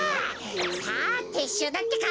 さあてっしゅうだってか！